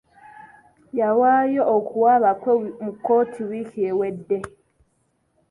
Yawaayo okuwaaba kwe mu kkooti wiiki ewedde.